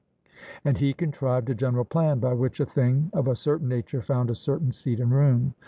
And he contrived a general plan by which a thing of a certain nature found a certain seat and room.